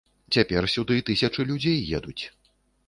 Цяпер сюды тысячы людзей едуць.